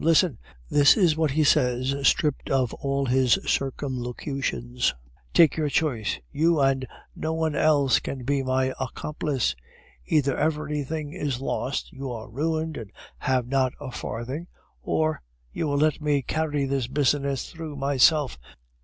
Listen, this is what he says, stripped of all his circumlocutions 'Take your choice, you and no one else can be my accomplice; either everything is lost, you are ruined and have not a farthing, or you will let me carry this business through myself.